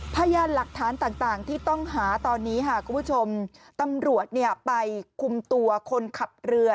พยานหลักฐานต่างที่ต้องหาตอนนี้ค่ะคุณผู้ชมตำรวจเนี่ยไปคุมตัวคนขับเรือ